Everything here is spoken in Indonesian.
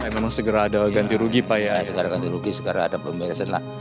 memang segera ada ganti rugi pak ya